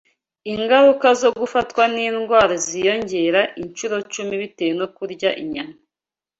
Ingaruka zo gufatwa n’indwara ziyongera inshuro cumi bitewe no kurya inyama.